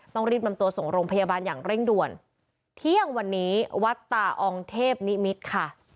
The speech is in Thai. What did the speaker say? ต้องรีบนำตัวส่งโรงพยาบาลอย่างเร่งด่วนเที่ยงวันนี้วัดตาองเทพนิมิตรค่ะ